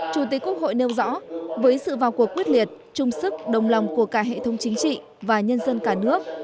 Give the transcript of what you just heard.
chủ tịch quốc hội nêu rõ với sự vào cuộc quyết liệt trung sức đồng lòng của cả hệ thống chính trị và nhân dân cả nước